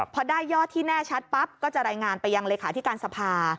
พอได้ยอดที่แน่ชัดปั๊บก็จะรายงานไปยังเลขาธิการสภา